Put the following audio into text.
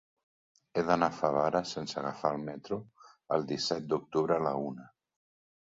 He d'anar a Favara sense agafar el metro el disset d'octubre a la una.